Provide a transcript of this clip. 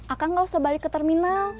akan gak usah balik ke terminal